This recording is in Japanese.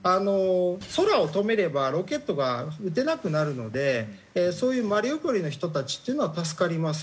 空を止めればロケットが打てなくなるのでそういうマリウポリの人たちっていうのは助かります。